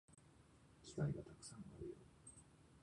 機会がたくさんあるよ